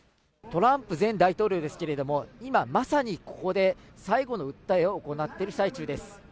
トランプ前大統領ですけれども、今、まさにここで、最後の訴えを行っている最中です。